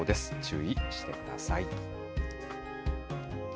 注意してください。